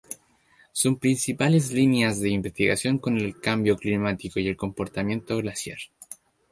Sus principales líneas de investigación son el cambio climático y el comportamiento glaciar.